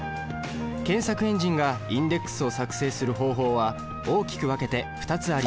検索エンジンがインデックスを作成する方法は大きく分けて２つあります。